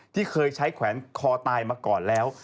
ที่เคยใช้แขวนคอตายมาก่อนแล้ว